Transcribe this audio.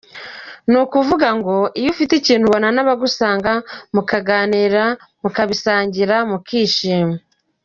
Ni ukuvuga ngo iyo ufite ibintu ubona n’abagusanga mukaganira, mukabisangira mukishima.